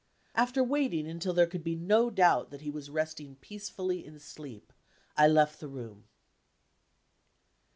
After waiting until there could be no doubt that he was resting peacefully in sleep, I left the room.